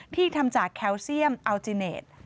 ที่ทำจากแคลเซียมอัลจิเนต